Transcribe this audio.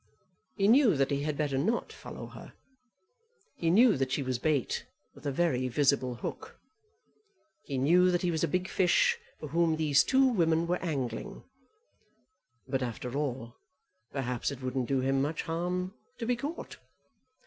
He knew that he had better not follow her. He knew that she was bait with a very visible hook. He knew that he was a big fish for whom these two women were angling. But after all, perhaps it wouldn't do him much harm to be caught.